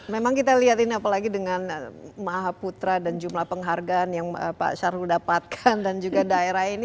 memang kita lihat ini apalagi dengan maha putra dan jumlah penghargaan yang pak syahrul dapatkan dan juga daerah ini